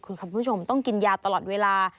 คือคุณผู้ชมต้องกินยาตลอดเวลา